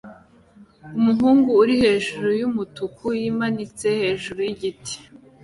umuhungu uri hejuru yumutuku yimanitse hejuru yigiti